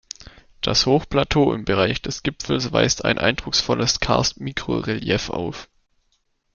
Das Hochplateau im Bereich des Gipfels weist ein eindrucksvolles Karst-Mikrorelief auf.